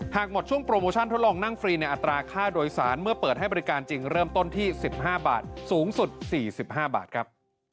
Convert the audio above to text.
หากหมดช่วงโปรโมชั่นทดลองนั่งฟรีในอัตราค่าโดยสารเมื่อเปิดให้บริการจริงเริ่มต้นที่๑๕บาทสูงสุด๔๕บาทครับ